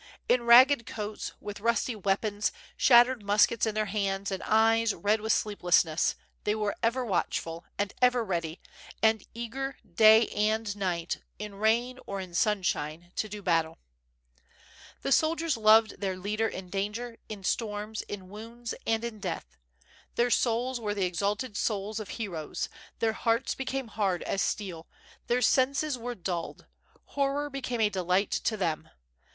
In ragged coats, with rusty 733 734 WITH FIRE AND SWORD. weapons, shattered muskets in their hands, and eyes red with sleeplessness, they were ever watchful, and ever ready, and eager day and night, in rain or in Sunshine, to do battle. The soldiers loved their leader in danger, in storms, in wounds, and in death. Their souls were the exalted souls of heroes, their hearts became hard as steel, their senses were dulled. Horror became a delight to them.